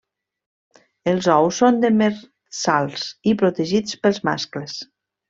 Els ous són demersals i protegits pels mascles.